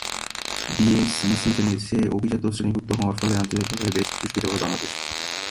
BSEC জানিয়েছে, অভিজাত শ্রেণীভুক্ত হওয়ার ফলে আন্তর্জাতিকভাবে বেশ কিছু সুবিধা পাবে বাংলাদেশ।